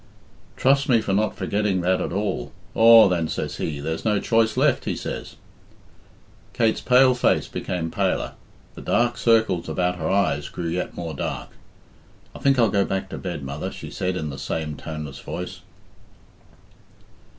"Trust me for not forgetting that at all. 'Aw, then,' says he, 'there's no choice left,' he says." Kate's pale face became paler, the dark circles about her eyes grew yet more dark. "I think I'll go back to bed, mother," she said in the same toneless voice.